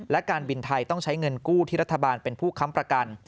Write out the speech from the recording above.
และการบินไทยต้องใช้เงินกู้ที่รัฐบาลเป็นผู้ค้ำประกัน